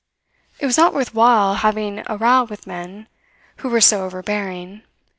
It was not worth while having a row with men who were so overbearing.